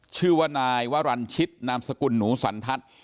ชื่อว่านายวรรณชิตนามสกุลหนูสันทัศน์